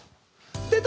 出た！